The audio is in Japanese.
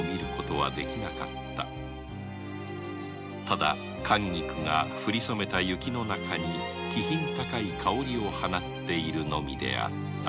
ただ寒菊が降りそめた雪の中に気品高い香りを放っているのみであった